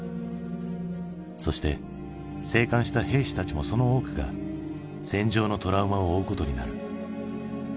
そして生還した兵士たちもその多くが戦場のトラウマを負うことになる。